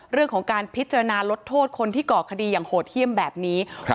เรื่องของการพิจารณาลดโทษคนที่ก่อคดีอย่างโหดเยี่ยมแบบนี้